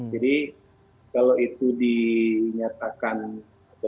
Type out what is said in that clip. jadi kalau itu dinyatakan atau diduga radikal